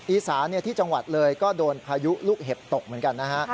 อีสานที่จังหวัดเลยก็โดนพายุลูกเห็บตกเหมือนกันนะฮะ